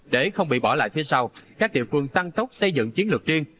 để không bị bỏ lại phía sau các địa phương tăng tốc xây dựng chiến lược riêng